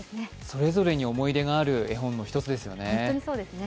それぞれに思い出がある絵本の一つですよね。